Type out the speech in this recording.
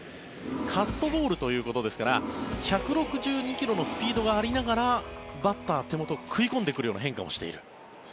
カットボールということですから１６２ｋｍのスピードがありながらバッターの手元食い込んでくるような変化をしている。